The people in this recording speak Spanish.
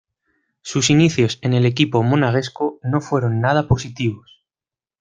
Sus inicios en el equipo monegasco no fueron nada positivos.